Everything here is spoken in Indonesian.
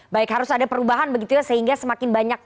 baik harus ada perubahan sehingga semakin banyak